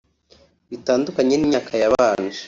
Bitandukanye n’imyaka yabanje